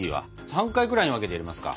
３回くらいに分けて入れますか？